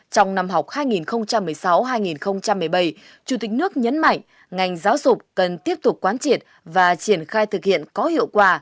trong năm học hai nghìn một mươi sáu hai nghìn một mươi bảy chủ tịch nước nhấn mạnh ngành giáo dục cần tiếp tục quán triệt và triển khai thực hiện có hiệu quả